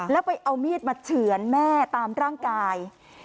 แล้วไปเอามีดมาเฉือนแม่ตามร่างกาย